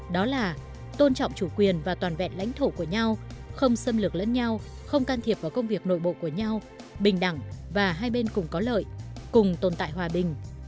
đó là tôn trọng chủ quyền và toàn vẹn lãnh thổ của nhau không xâm lược lẫn nhau không can thiệp vào công việc nội bộ của nhau bình đẳng và hai bên cùng có lợi cùng tồn tại hòa bình